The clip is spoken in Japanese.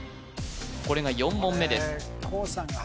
これが４問目です